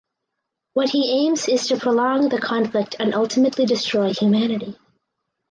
What he aims is to prolong the conflict and ultimately destroy humanity.